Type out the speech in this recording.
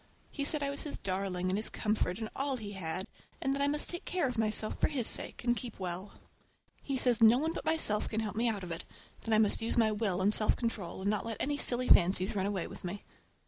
He said I was his darling and his comfort and all he had, and that I must take care of myself for his sake, and keep well. He says no one but myself can help me out of it, that I must use my will and self control and not let any silly fancies run away with me.